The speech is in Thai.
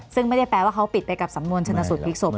ซึ่งไม่ได้แปลว่าเขาปิดไปกับสำนวนชนสูตรพลิกศพ